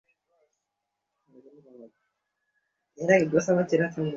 আশা করি ডা ব্যারোজ এতদিনে আমেরিকায় পৌঁছেছেন।